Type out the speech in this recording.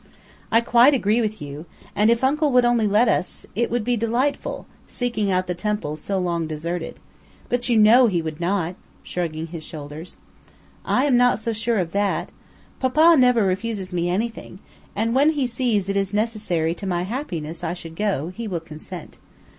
"I quite agree with you, and if uncle would only let us, it would be delightful, seeking out the temples so long deserted. But you know he would not," shrugging his shoulders. "I'm not so sure of that. Papa never refuses me anything, and when he sees it is necessary to my happiness I should go, he will consent.